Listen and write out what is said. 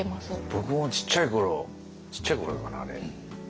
僕もちっちゃいころちっちゃいころかなあれ。